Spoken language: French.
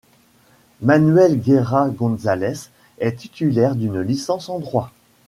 Manuel Guerra González est titulaire d'une licence en droit.